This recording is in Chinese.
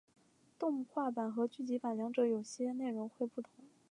动画版和剧集版两者有些内容会不同。